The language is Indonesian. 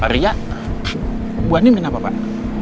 pak ria buangin kenapa pak